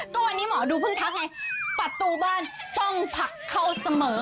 ก็วันนี้หมอดูเพิ่งทักไงประตูบ้านต้องผลักเข้าเสมอ